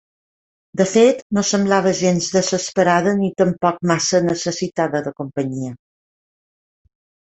De fet, no semblava gens desesperada ni tampoc massa necessitada de companyia.